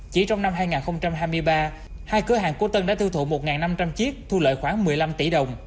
chỉ trong năm hai nghìn hai mươi ba hai cửa hàng của tân đã thư thụ một năm trăm linh chiếc thu lợi khoảng một mươi năm tỷ đồng